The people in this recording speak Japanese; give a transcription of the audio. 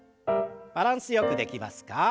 バランスよくできますか？